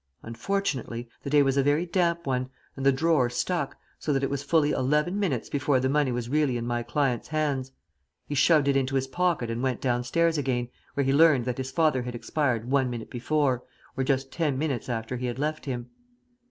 Unfortunately the day was a very damp one, and the drawer stuck, so that it was fully eleven minutes before the money was really in my client's hands. He shoved it into his pocket and went downstairs again, where he learned that his father had expired one minute before, or just ten minutes after he had left him.